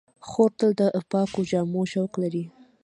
خور تل د پاکو جامو شوق لري.